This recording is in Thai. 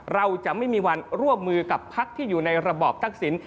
เราจะไม่มีวันร่วมมือกับพักที่อยู่ในระบอบทักษิณ